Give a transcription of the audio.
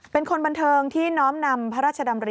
เป็นคนบันเทิงที่น้อมนำพระราชดำริ